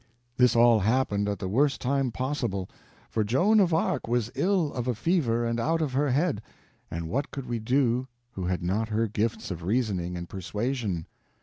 This all happened at the worst time possible, for Joan of Arc was ill of a fever and out of her head, and what could we do who had not her gifts of reasoning and persuasion?